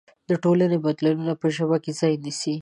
د ټولنې بدلونونه په ژبه کې ځای نيسي.